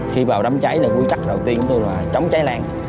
khi bào đấm cháy là quy trắc đầu tiên chúng tôi là chống cháy làng